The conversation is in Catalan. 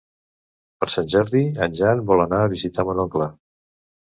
Per Sant Jordi en Jan vol anar a visitar mon oncle.